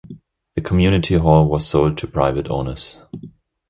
The community hall was sold to private owners.